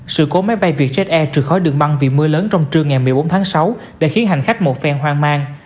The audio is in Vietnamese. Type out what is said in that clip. sự cố máy bay vietjet air trượt khỏi đường băng vì mưa lớn trong trưa ngày một mươi bốn tháng sáu đã khiến hành khách một phèn hoang mang